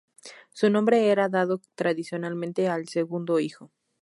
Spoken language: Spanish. Su nombre era dado tradicionalmente al segundo hijo.